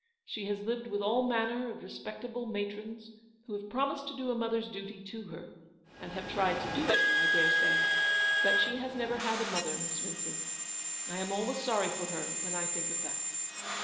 She has lived with all manner of respectable matrons, who have promised to do a mother's duty to her, and have tried to do it, I daresay; but she has never had a mother, Miss Vincent. I am always sorry for her when I think of that."